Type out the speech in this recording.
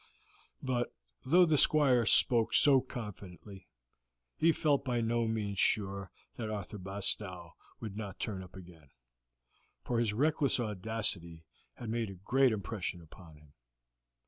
But though the Squire spoke so confidently, he felt by no means sure that Arthur Bastow would not turn up again, for his reckless audacity had made a great impression upon him.